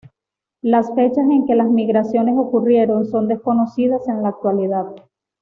Las fechas en que las migraciones ocurrieron son desconocidas en la actualidad.